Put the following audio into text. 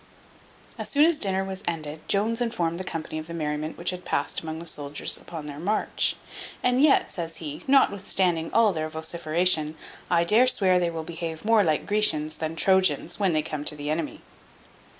As soon as dinner was ended, Jones informed the company of the merriment which had passed among the soldiers upon their march; "and yet," says he, "notwithstanding all their vociferation, I dare swear they will behave more like Grecians than Trojans when they come to the enemy."